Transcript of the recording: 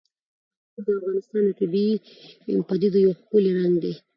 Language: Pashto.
انګور د افغانستان د طبیعي پدیدو یو ښکلی رنګ دی.